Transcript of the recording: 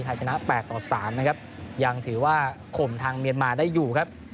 ไทยชนะ๘ต่อ๓นะครับยังถือว่าข่มทางเมียนมาได้อยู่ครับ